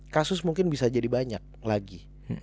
kasus mungkin bisa jadi banyak lagi